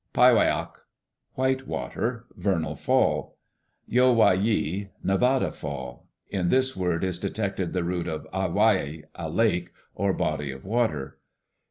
"Pai wai' ak (white water?), Vernal Fall. "Yo wai yi, Nevada Fall. In this word is detected the root of Awaia, 'a lake' or body of water.